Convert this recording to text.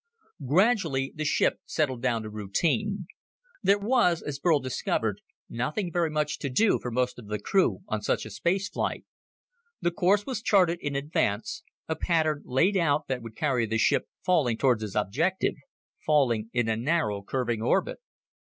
_ Gradually the ship settled down to routine. There was, as Burl discovered, nothing very much to do for most of the crew on such a space flight. The course was charted in advance, a pattern laid out that would carry the ship falling toward its objective falling in a narrow curving orbit.